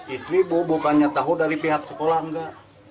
istri bu bukannya tahu dari pihak sekolah enggak